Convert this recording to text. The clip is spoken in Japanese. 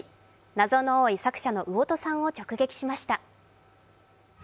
謎の多い作者の魚豊さんを直撃しました。